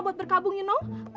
buat berkabung you know